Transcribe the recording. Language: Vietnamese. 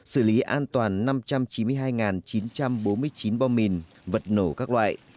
xử lý an toàn năm trăm chín mươi hai chín trăm bốn mươi chín bom mìn vật nổ các loại